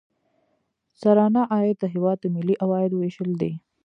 سرانه عاید د هیواد د ملي عوایدو ویشل دي.